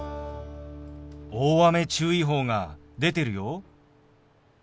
大雨注意報が出てるよ。